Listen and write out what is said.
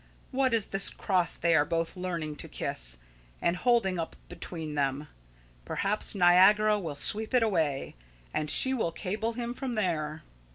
What is this cross they are both learning to kiss, and holding up between them? Perhaps Niagara will sweep it away, and she will cable him from there."